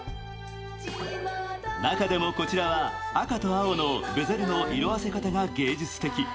中でもこちらは赤と青のベゼルの色あせ方が芸術的。